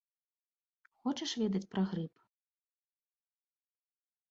Хочаш ведаць пра грып?